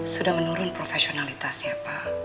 sudah menurun profesionalitasnya pak